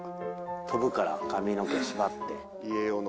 飛ぶから髪の毛縛って。